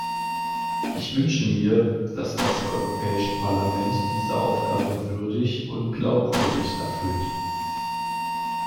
Ich wünsche mir, dass das Europäische Parlament diese Aufgabe würdig und glaubwürdig erfüllt.